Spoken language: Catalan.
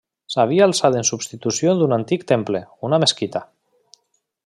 S'havia alçat en substitució d'un antic temple, una mesquita.